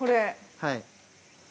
はい。